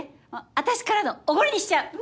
私からのおごりにしちゃう！